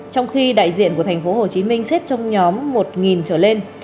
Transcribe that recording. trong khi đại diện của thành phố hồ chí minh xếp trong nhóm một trở lên